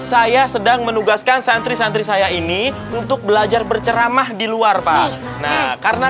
saya sedang menugaskan santri santri saya ini untuk belajar berceramah di luar pak nah karena